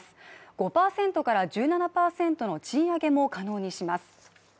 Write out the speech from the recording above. ５％から１７％の賃上げも可能にします。